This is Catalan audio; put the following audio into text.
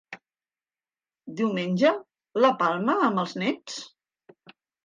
Diumenge, la palma amb els néts?